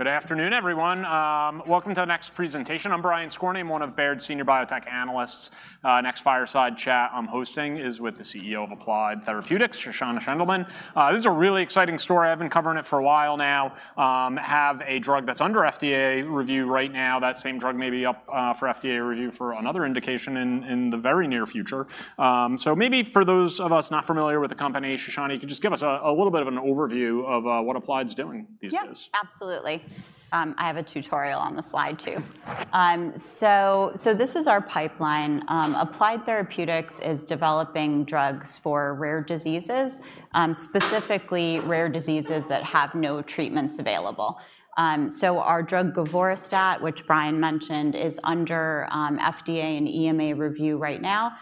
Good afternoon, everyone. Welcome to the next presentation. I'm Brian Skorney, one of Baird's senior biotech analysts. Next fireside chat I'm hosting is with the CEO of Applied Therapeutics, Shoshana Shendelman. This is a really exciting story. I've been covering it for a while now. Have a drug that's under FDA review right now. That same drug may be up for FDA review for another indication in the very near future. So maybe for those of us not familiar with the company, Shoshana, you can just give us a little bit of an overview of what Applied's doing these days. Yep, absolutely. I have a tutorial on the slide, too. So this is our pipeline. Applied Therapeutics is developing drugs for rare diseases, specifically rare diseases that have no treatments available. So our drug, govorestat, which Brian mentioned, is under FDA and EMA review right now,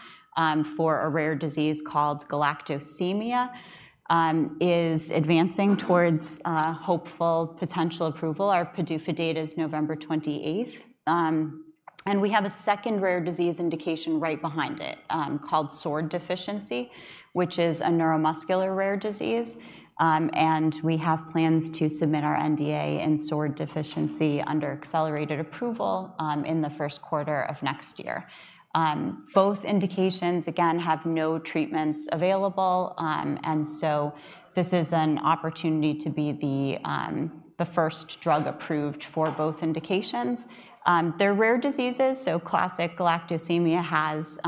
for a rare disease called galactosemia. It is advancing towards hopeful potential approval. Our PDUFA date is November 28th. And we have a second rare disease indication right behind it, called SORD deficiency, which is a neuromuscular rare disease. And we have plans to submit our NDA in SORD deficiency under accelerated approval, in the first quarter of next year. Both indications, again, have no treatments available, and so this is an opportunity to be the first drug approved for both indications. They're rare diseases, so classic galactosemia has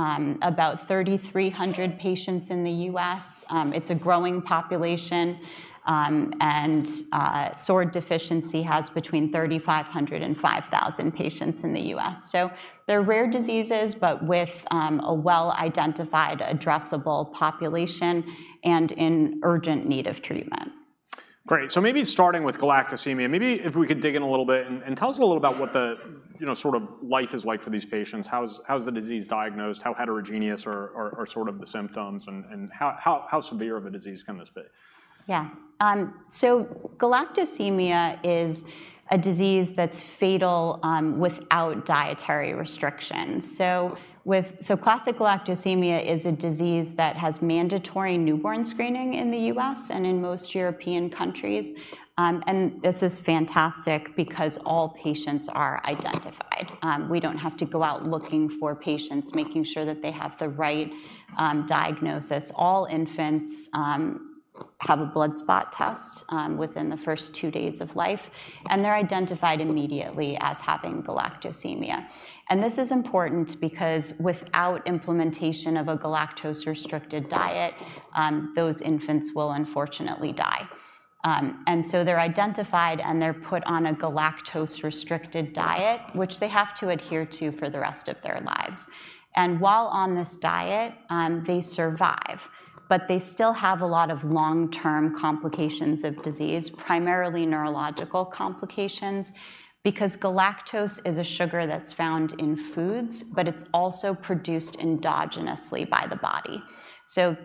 about 3,300 patients in the U.S. It's a growing population, and SORD deficiency has between 3,500 and 5,000 patients in the U.S. So they're rare diseases, but with a well-identified, addressable population and in urgent need of treatment. Great. So maybe starting with galactosemia, maybe if we could dig in a little bit and tell us a little about what the, you know, sort of life is like for these patients. How's the disease diagnosed? How heterogeneous are sort of the symptoms? And how severe of a disease can this be? Yeah. So galactosemia is a disease that's fatal without dietary restrictions. So classic galactosemia is a disease that has mandatory newborn screening in the U.S., and in most European countries. And this is fantastic because all patients are identified. We don't have to go out looking for patients, making sure that they have the right diagnosis. All infants have a blood spot test within the first two days of life, and they're identified immediately as having galactosemia. And this is important because without implementation of a galactose-restricted diet, those infants will unfortunately die. And so they're identified, and they're put on a galactose-restricted diet, which they have to adhere to for the rest of their lives. While on this diet, they survive, but they still have a lot of long-term complications of disease, primarily neurological complications, because galactose is a sugar that's found in foods, but it's also produced endogenously by the body.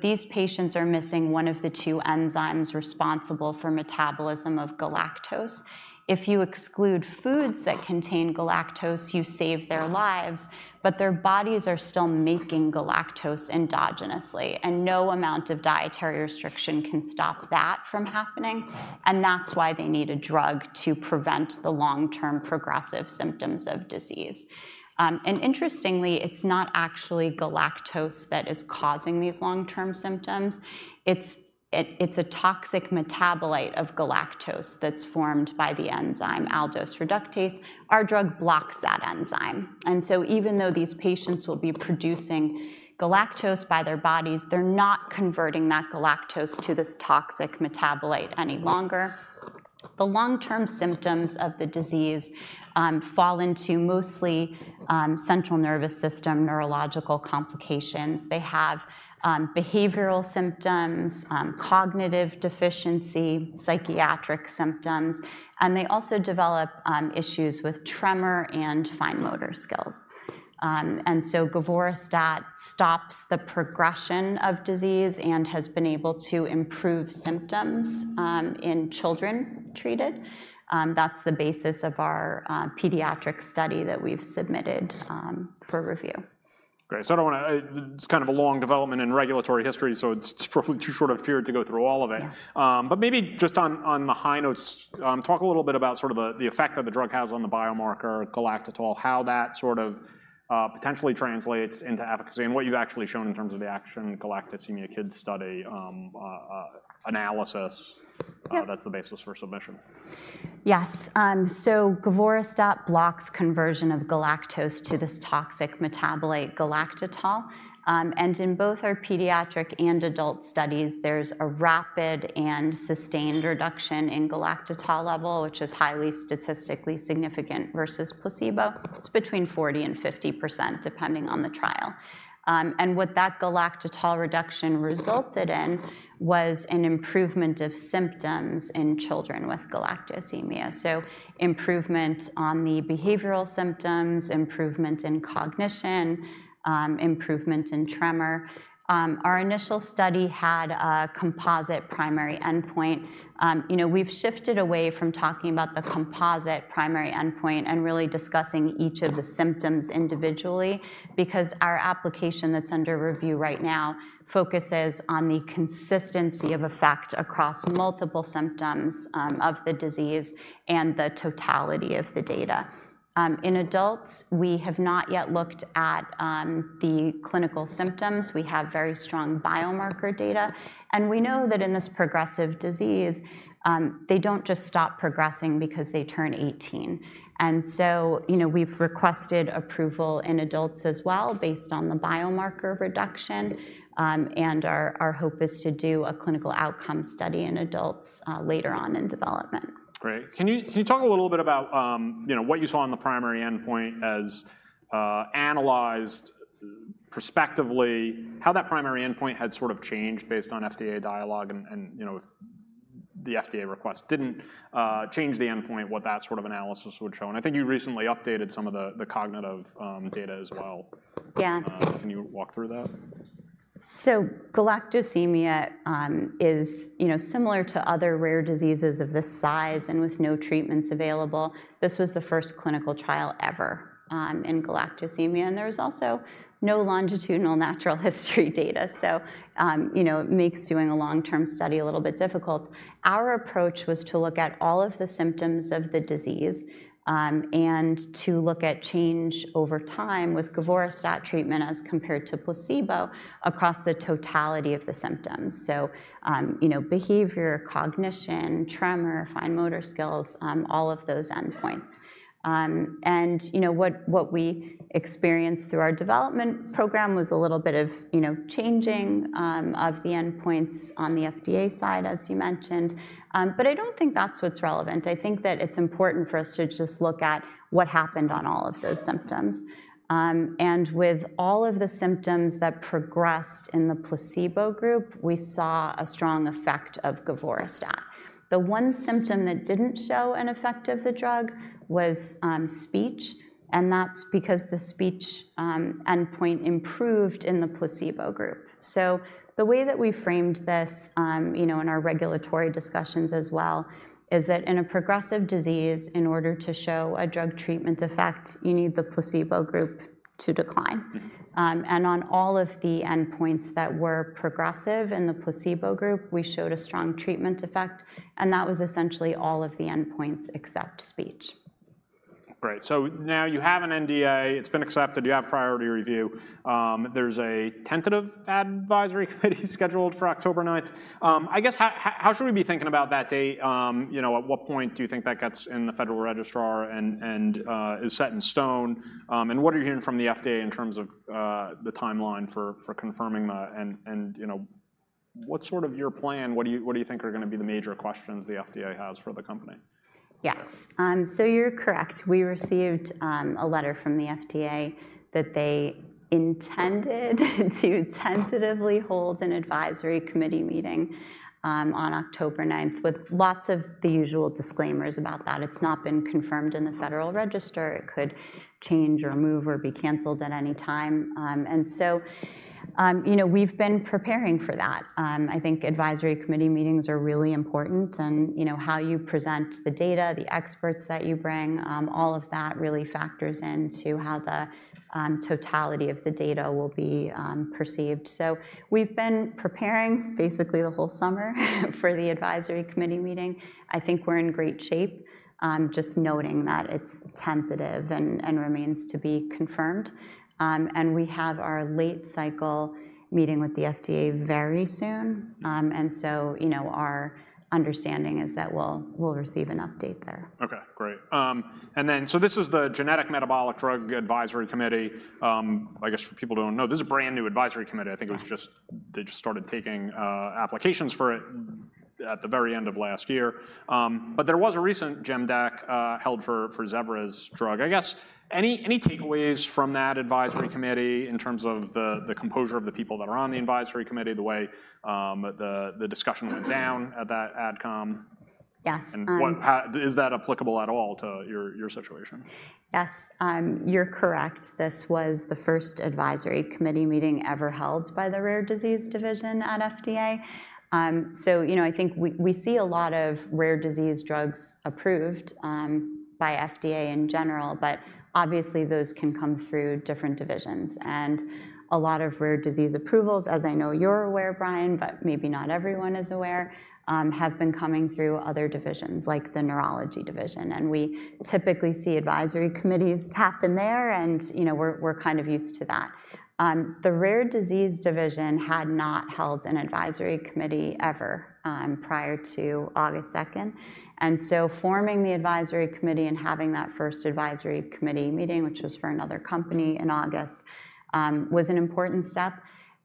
These patients are missing one of the two enzymes responsible for metabolism of galactose. If you exclude foods that contain galactose, you save their lives, but their bodies are still making galactose endogenously, and no amount of dietary restriction can stop that from happening, and that's why they need a drug to prevent the long-term progressive symptoms of disease. Interestingly, it's not actually galactose that is causing these long-term symptoms. It's a toxic metabolite of galactose that's formed by the enzyme aldose reductase. Our drug blocks that enzyme. And so even though these patients will be producing galactose by their bodies, they're not converting that galactose to this toxic metabolite any longer. The long-term symptoms of the disease fall into mostly central nervous system, neurological complications. They have behavioral symptoms, cognitive deficiency, psychiatric symptoms, and they also develop issues with tremor and fine motor skills. And so govorestat stops the progression of disease and has been able to improve symptoms in children treated. That's the basis of our pediatric study that we've submitted for review. Great. So I don't want to. It's kind of a long development in regulatory history, so it's probably too short of time here to go through all of it. Yeah. But maybe just on the high notes, talk a little bit about sort of the effect that the drug has on the biomarker galactitol, how that sort of potentially translates into efficacy and what you've actually shown in terms of the action in galactosemia kids study, analysis? Yeah. That's the basis for submission. Yes. So govorestat blocks conversion of galactose to this toxic metabolite, galactitol. And in both our pediatric and adult studies, there's a rapid and sustained reduction in galactitol level, which is highly statistically significant versus placebo. It's between 40% and 50%, depending on the trial. And what that galactitol reduction resulted in was an improvement of symptoms in children with galactosemia. So improvement on the behavioral symptoms, improvement in cognition, improvement in tremor. Our initial study had a composite primary endpoint. You know, we've shifted away from talking about the composite primary endpoint and really discussing each of the symptoms individually because our application that's under review right now focuses on the consistency of effect across multiple symptoms of the disease and the totality of the data. In adults, we have not yet looked at the clinical symptoms. We have very strong biomarker data. And we know that in this progressive disease, they don't just stop progressing because they turn eighteen. And so, you know, we've requested approval in adults as well, based on the biomarker reduction, and our hope is to do a clinical outcome study in adults, later on in development. Great. Can you talk a little bit about, you know, what you saw in the primary endpoint as analyzed prospectively, how that primary endpoint had sort of changed based on FDA dialogue? And, you know, with the FDA request didn't change the endpoint, what that sort of analysis would show. And I think you recently updated some of the cognitive data as well? Yeah. Can you walk through that? So galactosemia is, you know, similar to other rare diseases of this size and with no treatments available. This was the first clinical trial ever in galactosemia, and there's also no longitudinal natural history data. So you know, it makes doing a long-term study a little bit difficult. Our approach was to look at all of the symptoms of the disease and to look at change over time with govorestat treatment as compared to placebo across the totality of the symptoms. So you know, behavior, cognition, tremor, fine motor skills, all of those endpoints. And you know, what we experienced through our development program was a little bit of, you know, changing of the endpoints on the FDA side, as you mentioned. But I don't think that's what's relevant. I think that it's important for us to just look at what happened on all of those symptoms, and with all of the symptoms that progressed in the placebo group, we saw a strong effect of govorestat. The one symptom that didn't show an effect of the drug was speech, and that's because the speech endpoint improved in the placebo group, so the way that we framed this, you know, in our regulatory discussions as well, is that in a progressive disease, in order to show a drug treatment effect, you need the placebo group to decline. Mm-hmm. And on all of the endpoints that were progressive in the placebo group, we showed a strong treatment effect, and that was essentially all of the endpoints except speech. Great. So now you have an NDA, it's been accepted, you have priority review. There's a tentative advisory committee scheduled for October 9th. I guess, how should we be thinking about that date? You know, at what point do you think that gets in the Federal Register and is set in stone? And what are you hearing from the FDA in terms of the timeline for confirming that? And you know, what's sort of your plan? What do you think are gonna be the major questions the FDA has for the company? Yes. So you're correct. We received a letter from the FDA that they intended to tentatively hold an advisory committee meeting on October 9th, with lots of the usual disclaimers about that. It's not been confirmed in the Federal Register. It could change or move or be canceled at any time. And so, you know, we've been preparing for that. I think advisory committee meetings are really important and, you know, how you present the data, the experts that you bring, all of that really factors into how the totality of the data will be perceived. So we've been preparing basically the whole summer for the advisory committee meeting. I think we're in great shape, just noting that it's tentative and remains to be confirmed. And we have our late cycle meeting with the FDA very soon. And so, you know, our understanding is that we'll receive an update there. Okay, great. And then, so this is the Genetic Metabolic Diseases Advisory Committee. I guess for people who don't know, this is a brand-new advisory committee. Yes. I think it was just they just started taking applications for it at the very end of last year. But there was a recent GeMDAC held for Zevra's drug. I guess any takeaways from that advisory committee in terms of the composition of the people that are on the advisory committee, the way the discussion went down at that ad com? Yes, um- And what is that applicable at all to your, your situation? Yes, you're correct. This was the first advisory committee meeting ever held by the Rare Disease Division at FDA, so you know, I think we see a lot of rare disease drugs approved by FDA in general, but obviously those can come through different divisions, and a lot of rare disease approvals, as I know you're aware, Brian, but maybe not everyone is aware, have been coming through other divisions, like the Neurology Division, and we typically see advisory committees happen there, and you know, we're kind of used to that. The Rare Disease Division had not held an advisory committee ever prior to August 2nd, and so forming the advisory committee and having that first advisory committee meeting, which was for another company in August, was an important step.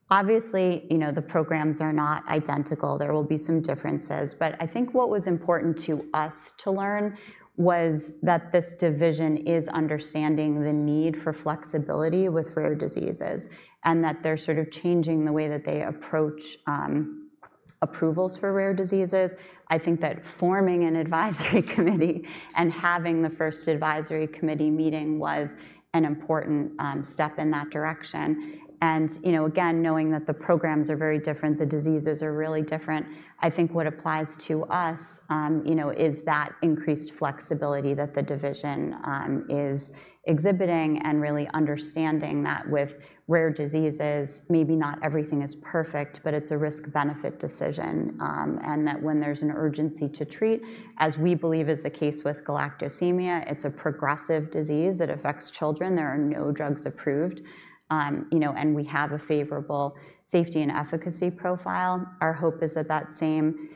Obviously, you know, the programs are not identical. There will be some differences, but I think what was important to us to learn was that this division is understanding the need for flexibility with rare diseases and that they're sort of changing the way that they approach approvals for rare diseases. I think that forming an advisory committee and having the first advisory committee meeting was an important step in that direction, and you know, again, knowing that the programs are very different, the diseases are really different, I think what applies to us, you know, is that increased flexibility that the division is exhibiting and really understanding that with rare diseases, maybe not everything is perfect, but it's a risk-benefit decision, and that when there's an urgency to treat, as we believe is the case with galactosemia, it's a progressive disease. It affects children. There are no drugs approved, you know, and we have a favorable safety and efficacy profile. Our hope is that same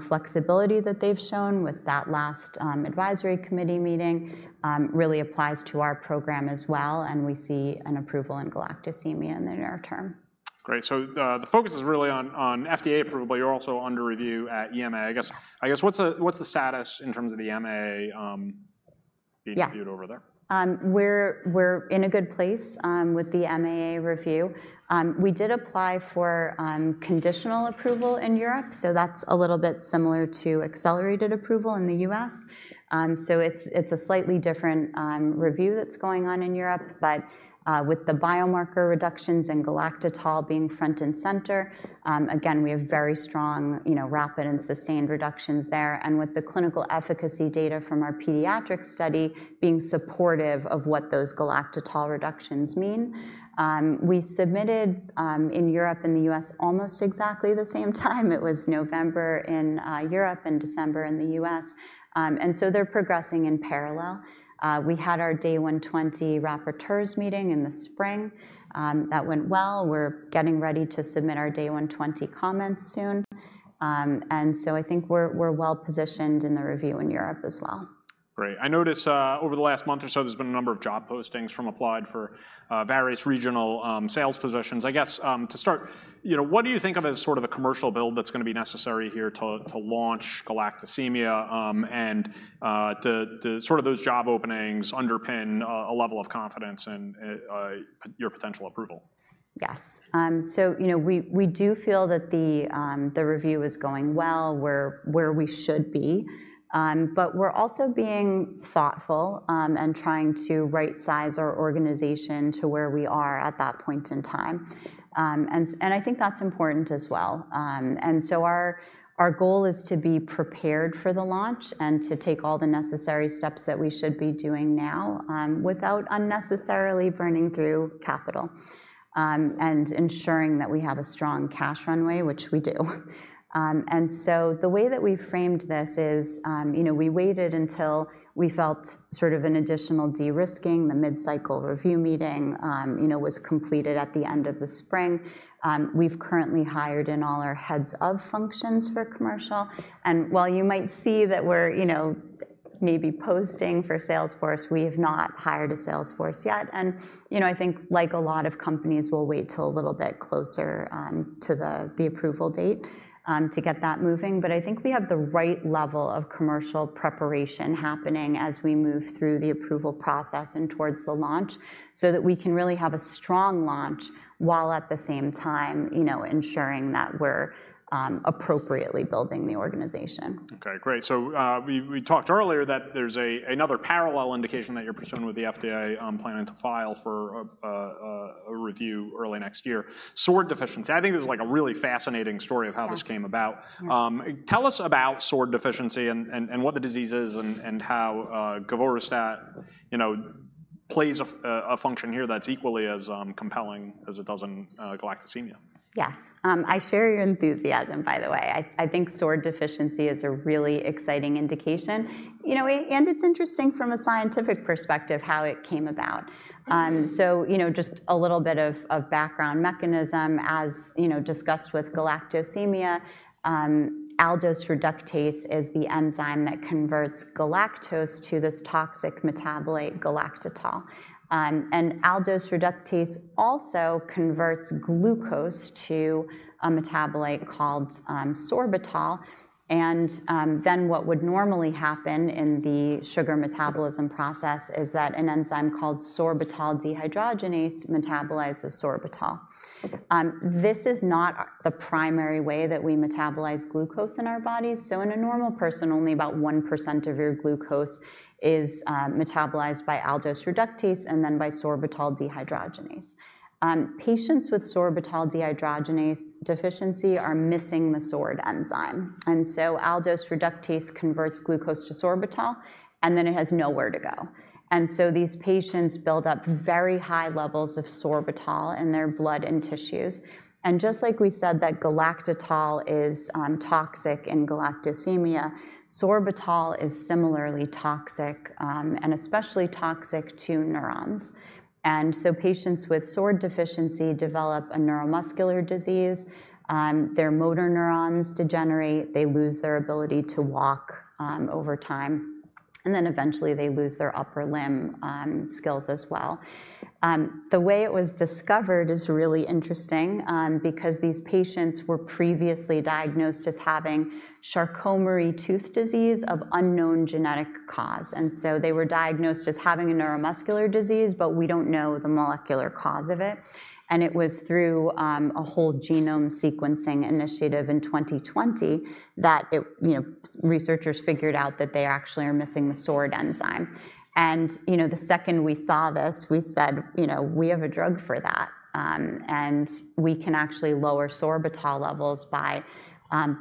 flexibility that they've shown with that last advisory committee meeting really applies to our program as well, and we see an approval in galactosemia in the near term. Great. So, the focus is really on FDA approval, but you're also under review at EMA. I guess what's the status in terms of the EMA being reviewed over there? We're in a good place with the MAA review. We did apply for conditional approval in Europe, so that's a little bit similar to accelerated approval in the U.S. So it's a slightly different review that's going on in Europe, but with the biomarker reductions in galactitol being front and center, again, we have very strong, you know, rapid and sustained reductions there, and with the clinical efficacy data from our pediatric study being supportive of what those galactitol reductions mean. We submitted in Europe and the U.S. almost exactly the same time. It was November in Europe and December in the U.S. And so they're progressing in parallel. We had our Day 120 rapporteurs meeting in the spring. That went well. We're getting ready to submit our Day 120 comments soon, and so I think we're well-positioned in the review in Europe as well. Great. I noticed over the last month or so, there's been a number of job postings from Applied for various regional sales positions. I guess to start, you know, what do you think of as sort of the commercial build that's going to be necessary here to launch galactosemia? And do sort of those job openings underpin a level of confidence in your potential approval? Yes. So, you know, we do feel that the review is going well. We're where we should be. But we're also being thoughtful and trying to right-size our organization to where we are at that point in time. And I think that's important as well. And so our goal is to be prepared for the launch and to take all the necessary steps that we should be doing now, without unnecessarily burning through capital, and ensuring that we have a strong cash runway, which we do. And so the way that we framed this is, you know, we waited until we felt sort of an additional de-risking. The mid-cycle review meeting, you know, was completed at the end of the spring. We've currently hired in all our heads of functions for commercial, and while you might see that we're, you know, maybe posting for sales force, we have not hired a sales force yet. And, you know, I think, like a lot of companies, we'll wait till a little bit closer to the approval date to get that moving. But I think we have the right level of commercial preparation happening as we move through the approval process and towards the launch so that we can really have a strong launch, while at the same time, you know, ensuring that we're appropriately building the organization. Okay, great. So, we talked earlier that there's another parallel indication that you're pursuing with the FDA, planning to file for a review early next year. SORD deficiency. I think this is like a really fascinating story. Yes... of how this came about. Yeah. Tell us about SORD deficiency and what the disease is? And how govorestat, you know, plays a function here that's equally as compelling as it does in galactosemia? Yes. I share your enthusiasm, by the way. I think SORD deficiency is a really exciting indication. You know, and it's interesting from a scientific perspective, how it came about. So, you know, just a little bit of background mechanism, as you know, discussed with galactosemia, aldose reductase is the enzyme that converts galactose to this toxic metabolite, galactitol. And aldose reductase also converts glucose to a metabolite called sorbitol. And then what would normally happen in the sugar metabolism process is that an enzyme called sorbitol dehydrogenase metabolizes sorbitol. This is not the primary way that we metabolize glucose in our bodies, so in a normal person, only about 1% of your glucose is metabolized by aldose reductase and then by sorbitol dehydrogenase. Patients with sorbitol dehydrogenase deficiency are missing the SORD enzyme, and so aldose reductase converts glucose to sorbitol, and then it has nowhere to go. And so these patients build up very high levels of sorbitol in their blood and tissues. And just like we said that galactitol is toxic in galactosemia, sorbitol is similarly toxic, and especially toxic to neurons. And so patients with SORD deficiency develop a neuromuscular disease. Their motor neurons degenerate, they lose their ability to walk over time, and then eventually, they lose their upper limb skills as well. The way it was discovered is really interesting, because these patients were previously diagnosed as having Charcot-Marie-Tooth disease of unknown genetic cause. And so they were diagnosed as having a neuromuscular disease, but we don't know the molecular cause of it. It was through a whole genome sequencing initiative in 2020 that, you know, researchers figured out that they actually are missing the SORD enzyme. You know, the second we saw this, we said: "You know, we have a drug for that," and we can actually lower sorbitol levels by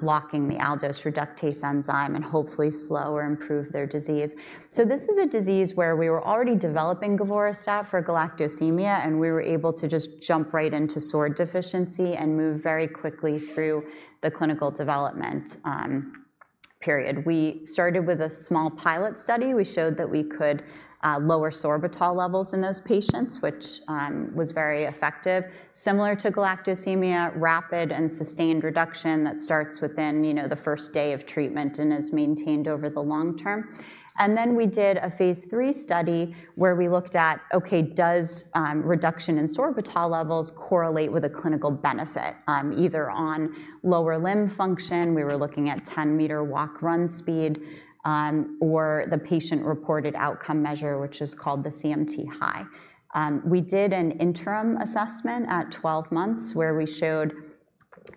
blocking the aldose reductase enzyme and hopefully slow or improve their disease. This is a disease where we were already developing govorestat for galactosemia, and we were able to just jump right into SORD deficiency and move very quickly through the clinical development period. We started with a small pilot study. We showed that we could lower sorbitol levels in those patients, which was very effective. Similar to galactosemia, rapid and sustained reduction that starts within, you know, the first day of treatment and is maintained over the long term. And then we did a phase III study, where we looked at, okay, does reduction in sorbitol levels correlate with a clinical benefit, either on lower limb function, we were looking at 10 m walk, run, speed, or the patient-reported outcome measure, which is called the CMT-HI. We did an interim assessment at 12 months, where we showed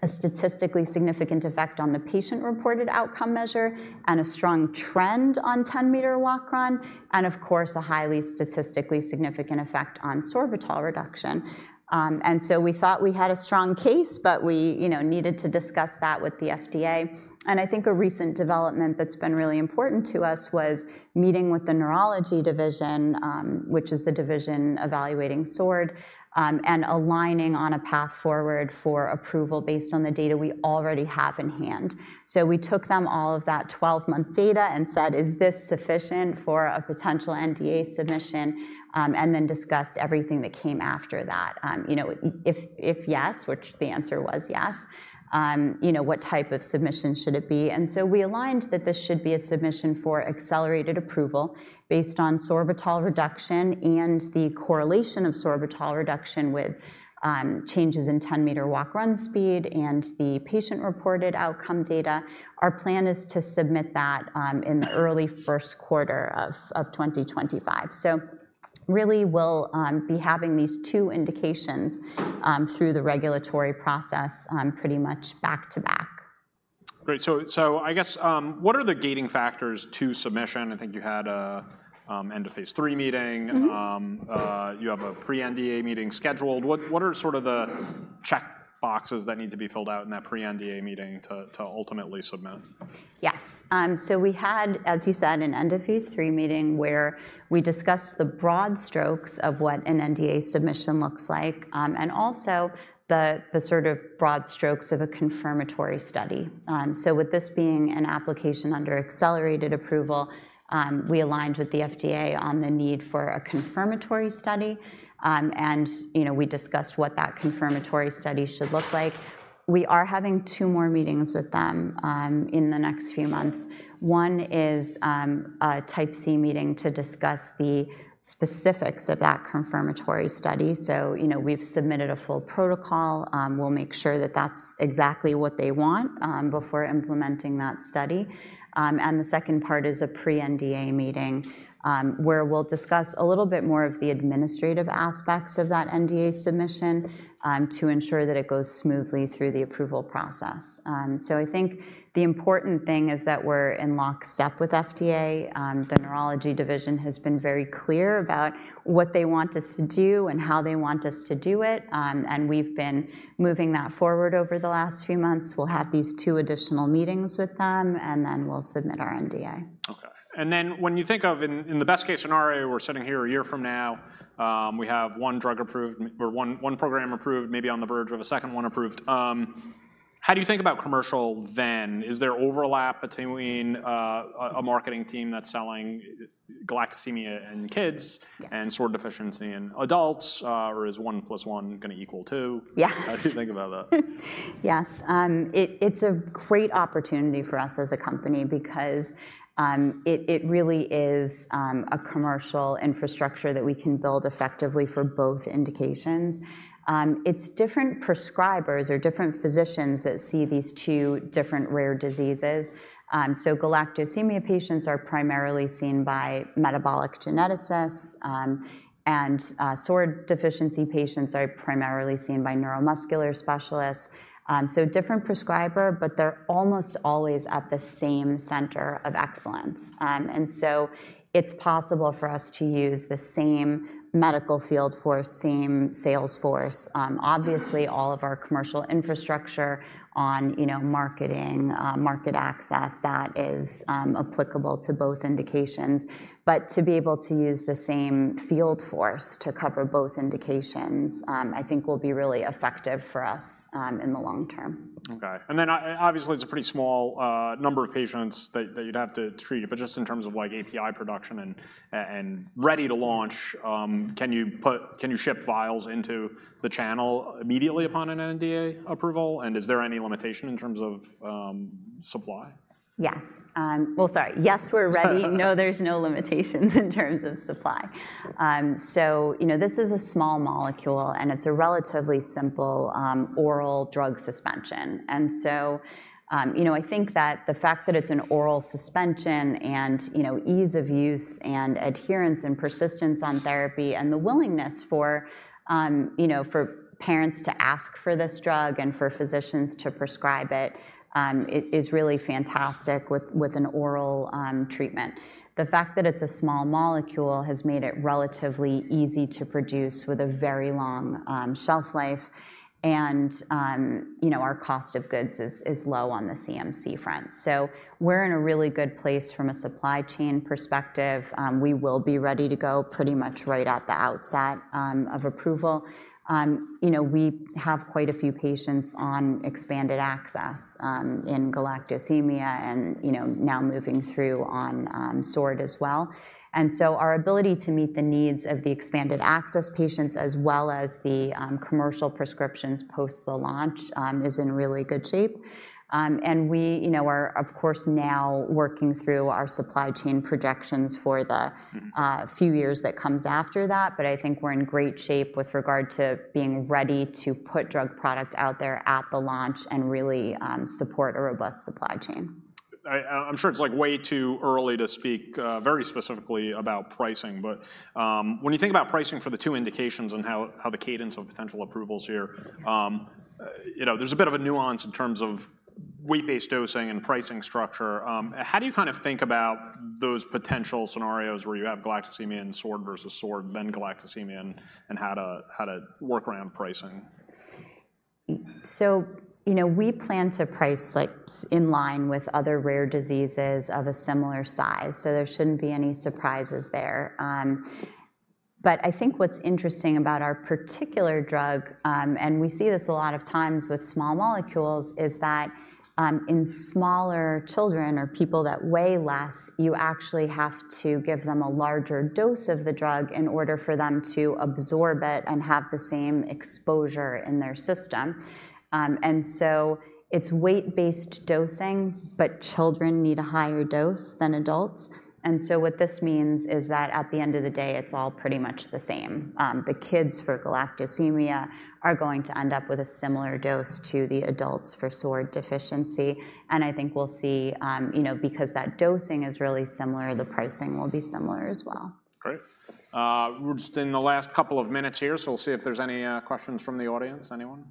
a statistically significant effect on the patient-reported outcome measure and a strong trend on 10 m walk/run, and of course, a highly statistically significant effect on sorbitol reduction. And so we thought we had a strong case, but we, you know, needed to discuss that with the FDA. I think a recent development that's been really important to us was meeting with the neurology division, which is the division evaluating SORD, and aligning on a path forward for approval based on the data we already have in hand. So we took them all of that 12 month data and said: "Is this sufficient for a potential NDA submission?" And then discussed everything that came after that. You know, if yes, which the answer was yes, you know, what type of submission should it be? And so we aligned that this should be a submission for accelerated approval based on sorbitol reduction and the correlation of sorbitol reduction with changes in 10 m walk/run speed and the patient-reported outcome data. Our plan is to submit that in the early first quarter of 2025. Really, we'll be having these two indications through the regulatory process pretty much back-to-back. Great. So I guess, what are the gating factors to submission? I think you had a end of phase III meeting. Mm-hmm. You have a pre-NDA meeting scheduled. What are sort of the checkboxes that need to be filled out in that pre-NDA meeting to ultimately submit? Yes. So we had, as you said, an end of phase III meeting, where we discussed the broad strokes of what an NDA submission looks like, and also the sort of broad strokes of a confirmatory study. With this being an application under accelerated approval, we aligned with the FDA on the need for a confirmatory study. You know, we discussed what that confirmatory study should look like. We are having two more meetings with them in the next few months. One is a Type C meeting to discuss the specifics of that confirmatory study. You know, we've submitted a full protocol. We'll make sure that that's exactly what they want before implementing that study. And the second part is a pre-NDA meeting, where we'll discuss a little bit more of the administrative aspects of that NDA submission, to ensure that it goes smoothly through the approval process. So I think the important thing is that we're in lockstep with FDA. The neurology division has been very clear about what they want us to do and how they want us to do it, and we've been moving that forward over the last few months. We'll have these two additional meetings with them, and then we'll submit our NDA. Okay. And then when you think of in the best-case scenario, we're sitting here a year from now, we have one drug approved or one program approved, maybe on the verge of a second one approved. How do you think about commercial then? Is there overlap between a marketing team that's selling galactosemia in kids- Yes. -and SORD deficiency in adults? Or is one plus one gonna equal two? Yeah. How do you think about that? Yes, it's a great opportunity for us as a company because it really is a commercial infrastructure that we can build effectively for both indications. It's different prescribers or different physicians that see these two different rare diseases. So galactosemia patients are primarily seen by metabolic geneticists, and SORD deficiency patients are primarily seen by neuromuscular specialists. So different prescriber, but they're almost always at the same center of excellence. And so it's possible for us to use the same medical field force same sales force. Obviously, all of our commercial infrastructure on, you know, marketing, market access, that is applicable to both indications. But to be able to use the same field force to cover both indications, I think will be really effective for us in the long term. Okay. And then obviously, it's a pretty small number of patients that you'd have to treat, but just in terms of like API production and ready to launch, can you ship vials into the channel immediately upon an NDA approval? And is there any limitation in terms of supply? Yes. Well, sorry. Yes, we're ready. No, there's no limitations in terms of supply. So, you know, this is a small molecule, and it's a relatively simple oral drug suspension. And so, you know, I think that the fact that it's an oral suspension and, you know, ease of use and adherence and persistence on therapy and the willingness for, you know, for parents to ask for this drug and for physicians to prescribe it, it is really fantastic with an oral treatment. The fact that it's a small molecule has made it relatively easy to produce with a very long shelf life, and, you know, our cost of goods is low on the CMC front. So we're in a really good place from a supply chain perspective. We will be ready to go pretty much right at the outset of approval. You know, we have quite a few patients on expanded access in galactosemia and, you know, now moving through on SORD as well. And so our ability to meet the needs of the expanded access patients, as well as the commercial prescriptions post the launch, is in really good shape. And we, you know, are, of course, now working through our supply chain projections for the- Mm-hmm... few years that comes after that, but I think we're in great shape with regard to being ready to put drug product out there at the launch and really, support a robust supply chain.... I'm sure it's like way too early to speak very specifically about pricing, but when you think about pricing for the two indications and how the cadence of potential approvals here, you know, there's a bit of a nuance in terms of weight-based dosing and pricing structure. How do you kind of think about those potential scenarios where you have galactosemia and SORD versus SORD, then galactosemia, and how to work around pricing? So, you know, we plan to price, like, in line with other rare diseases of a similar size, so there shouldn't be any surprises there, but I think what's interesting about our particular drug, and we see this a lot of times with small molecules, is that, in smaller children or people that weigh less, you actually have to give them a larger dose of the drug in order for them to absorb it and have the same exposure in their system, and so it's weight-based dosing, but children need a higher dose than adults, and so what this means is that at the end of the day, it's all pretty much the same. The kids for galactosemia are going to end up with a similar dose to the adults for SORD deficiency, and I think we'll see, you know, because that dosing is really similar, the pricing will be similar as well. Great. We're just in the last couple of minutes here, so we'll see if there's any questions from the audience. Anyone?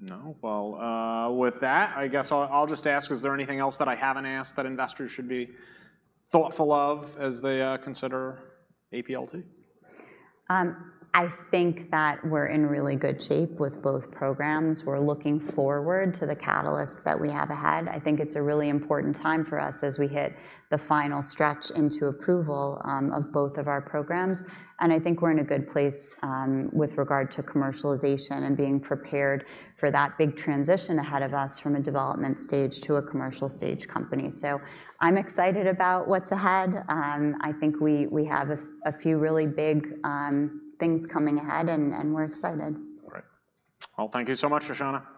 No. Well, with that, I guess I'll just ask, is there anything else that I haven't asked that investors should be thoughtful of as they consider APLT? I think that we're in really good shape with both programs. We're looking forward to the catalysts that we have ahead. I think it's a really important time for us as we hit the final stretch into approval of both of our programs, and I think we're in a good place with regard to commercialization and being prepared for that big transition ahead of us from a development stage to a commercial stage company. So I'm excited about what's ahead. I think we have a few really big things coming ahead, and we're excited. All right. Well, thank you so much, Shoshana.